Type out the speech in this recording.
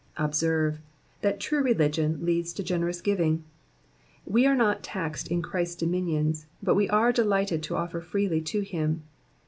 Observe, that true religion leads to generous giving ; we are not taxed in Christ's dominions, but we are delighted to offer freely to him.